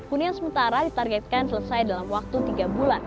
hunian sementara ditargetkan selesai dalam waktu tiga bulan